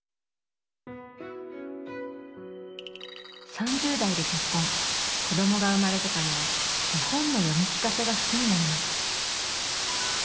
３０代で結婚子どもが生まれてからは絵本の読み聞かせが好きになりました